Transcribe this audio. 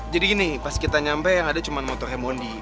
jadi gini pas kita nyampe yang ada cuma motornya bondi